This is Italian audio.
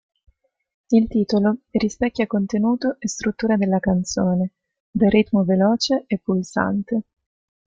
Il titolo rispecchia contenuto e struttura della canzone, dal ritmo veloce e pulsante.